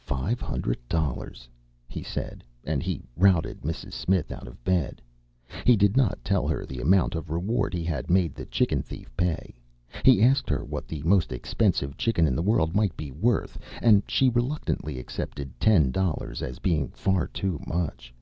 "Five hundred dollars!" he said, and he routed Mrs. Smith out of bed. He did not tell her the amount of reward he had made the chicken thief pay. He asked her what the most expensive chicken in the world might be worth, and she reluctantly accepted ten dollars as being far too much.